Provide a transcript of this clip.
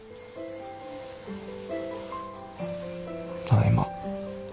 ただいま。